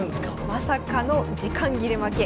まさかの時間切れ負け。